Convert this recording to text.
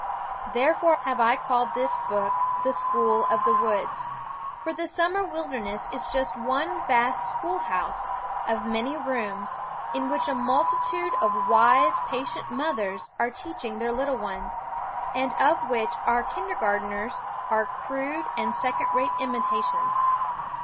Therefore have I called this book the "School of the Woods"; for the summer wilderness is just one vast schoolhouse, of many rooms, in which a multitude of wise, patient mothers are teaching their little ones, THE WOODS and of which our kindergartens are crude and second rate imitations.